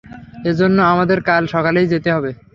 এজন্য আমাদের কাল সকালেই যেতে হবে।